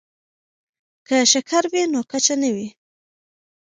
که شکر وي نو کچه نه وي.